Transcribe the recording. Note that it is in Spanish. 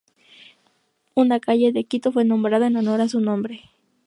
Una calle de Quito fue nombrada en honor a su nombre.